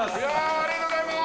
ありがとうございます。